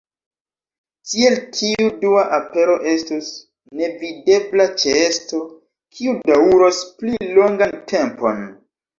Tiel tiu Dua Apero estus nevidebla ĉeesto, kiu daŭros pli longan tempon.